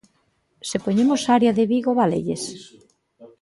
¿Se poñemos a área de Vigo válelles?